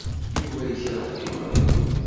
Yuba yekṛeh timeɣriwin.